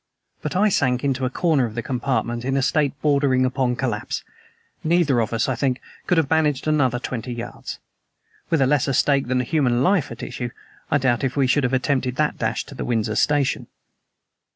But I sank into a corner of the compartment in a state bordering upon collapse. Neither of us, I think, could have managed another twenty yards. With a lesser stake than a human life at issue, I doubt if we should have attempted that dash to Windsor station.